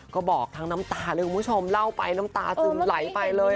ก็บอกทางตาลึงคุณผู้ชมล่าวไปตาซึมไหลไปเลย